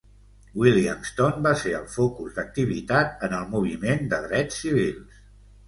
Williamston va ser el focus d'activitat en el moviment de drets civils.